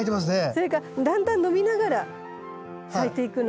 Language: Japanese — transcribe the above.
それかだんだん伸びながら咲いていくの。